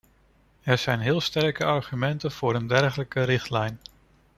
Er zijn heel sterke argumenten voor een dergelijke richtlijn.